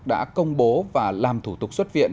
đã công bố và làm thủ tục xuất viện